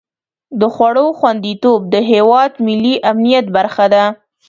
د خوړو خوندیتوب د هېواد ملي امنیت برخه ده.